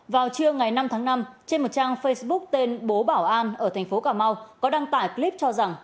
vào trưa ngày năm tháng năm trên một trang facebook tên bố bảo an ở thành phố cà mau có đăng tải clip cho rằng